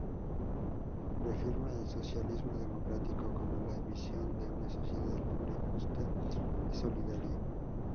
Reafirma el "socialismo democrático" como la "visión de una sociedad libre, justa y solidaria".